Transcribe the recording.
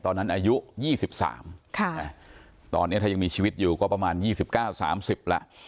ตอนนั้นอายุยี่สิบสามค่ะตอนนี้ถ้ายังมีชีวิตอยู่ก็ประมาณยี่สิบเก้าสามสิบละ